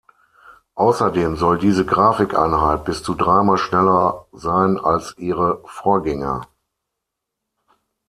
Außerdem soll diese Grafikeinheit bis zu dreimal schneller sein als ihre Vorgänger.